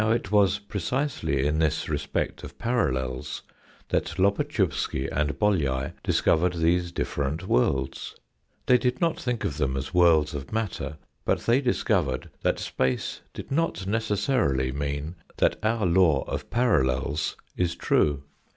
Now it was precisely in this respect of parallels that Lobatchewsky and Bolyai discovered these different worlds. They did not think of them as worlds of matter, but they discovered that space did not necessarily mean that our law of parallels is true.